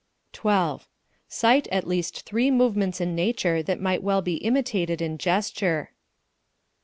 12. Cite at least three movements in nature that might well be imitated in gesture.